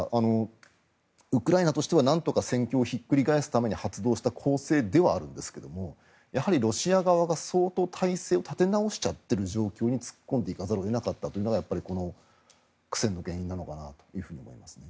ウクライナとしてはなんとか戦況をひっくり返すために発動した攻勢ではあるんですがやはりロシア側が相当、体制を立て直しちゃっている状況に突っ込んでいかざるを得ないというのがこの苦戦の原因なのかなと思います。